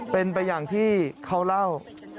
เป็นไปอย่างที่เขาเล่า